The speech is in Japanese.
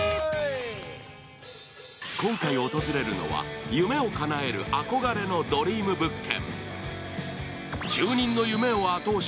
今回訪れるのは夢をかなえる憧れのドリーム物件。